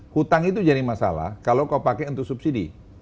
hutang itu jadi masalah kalau kau pakai untuk subsidi